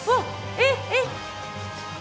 えっえっ。